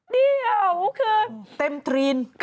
นี่เหรอคือเต็มทรีน